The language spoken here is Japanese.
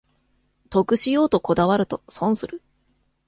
得しようとこだわると損する